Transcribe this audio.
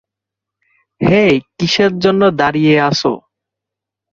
হেই, কীসের জন্যে দাঁড়িয়ে আছ?